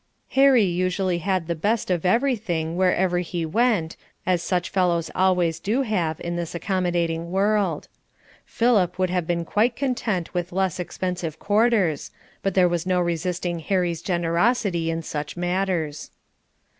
Harry usually had the best of everything, wherever he went, as such fellows always do have in this accommodating world. Philip would have been quite content with less expensive quarters, but there was no resisting Harry's generosity in such matters.